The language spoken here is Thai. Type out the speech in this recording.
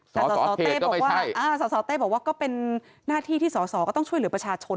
แต่สสเต้บอกว่าสสเต้บอกว่าก็เป็นหน้าที่ที่สอสอก็ต้องช่วยเหลือประชาชน